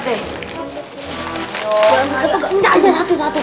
pegang aja satu satu